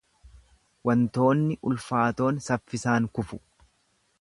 Wantoonni ulfaatoon saffisaan kufu.